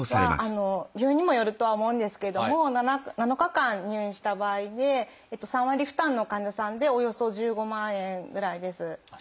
病院にもよるとは思うんですけれども７日間入院した場合で３割の負担の患者さんでおよそ１５万円ぐらいです。